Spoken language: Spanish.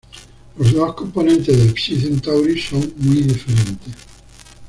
Las dos componentes de Psi Centauri son muy diferentes.